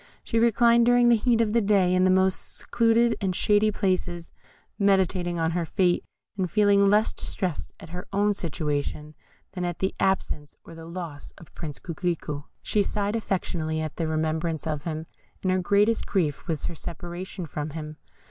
She reclined during the heat of the day in the most secluded and shady places, meditating on her fate, and feeling less distressed at her own situation than at the absence or the loss of Prince Coquerico. She sighed affectionately at the remembrance of him, and her greatest grief was her separation from him.